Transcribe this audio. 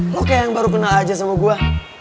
lo kayak yang baru kenal aja sama gue